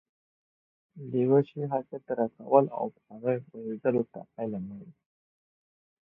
د يوه شي حقيقت درک کول او په هغه پوهيدلو ته علم وایي